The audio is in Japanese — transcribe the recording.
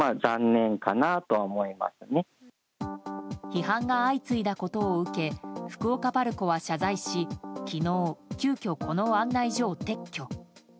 批判が相次いだことを受け福岡パルコは謝罪し昨日、急きょ、この案内所を撤去。